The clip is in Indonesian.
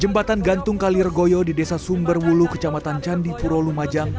jembatan gantung kalirgoyo di desa sumberwulu kecamatan candi puro lumajang